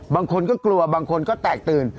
บางคนก็กลัวบางคนก็แตกตื่น